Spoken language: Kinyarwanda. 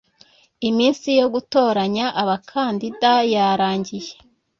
iminsi yo gutoranya abakandida yarangiye